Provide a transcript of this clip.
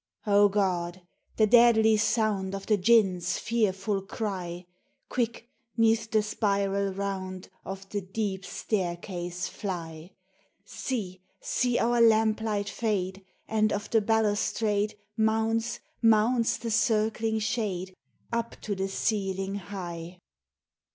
O God ! the deadly sound Of the Dj inns' fearful cry ! Quick, 'neath the spiral round Of the deep staircase fly ! See, see our lamplight fade ! And of the balustrade Mounts, mounts the circling shade Up to the ceiling high